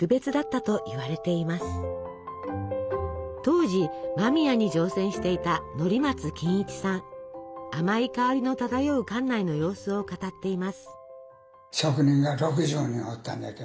当時間宮に乗船していたあまい香りの漂う艦内の様子を語っています。